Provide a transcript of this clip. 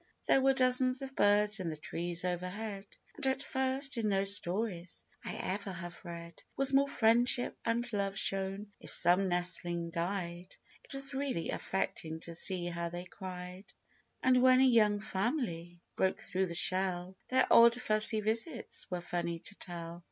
There were dozens of birds in the trees overhead, And at first, in no stories I ever have read, Was more friendship and love shown. If some nestling died, It was really affecting to see how they cried ; And when a young family broke through the shell, Their odd, fussy visits were funny to tell.